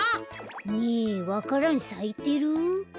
ねえわか蘭さいてる？